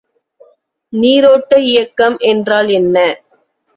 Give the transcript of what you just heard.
நீரோட்ட இயக்கம் என்றால் என்ன?